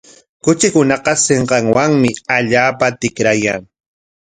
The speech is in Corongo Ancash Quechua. Kuchikunaqa sinqanwanmi allpata tikrayan.